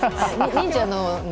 忍者の。